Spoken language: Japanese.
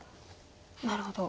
なるほど。